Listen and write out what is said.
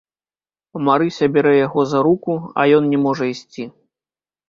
Марыся бярэ яго за руку, а ён не можа ісці.